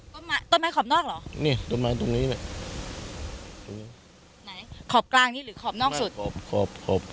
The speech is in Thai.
ต้นไม้ต้นไม้ขอบนอกเหรอเนี่ยต้นไม้ตรงนี้แหละตรงนี้ไหนขอบกลางนี่หรือขอบนอกสุดขอบขอบขอบ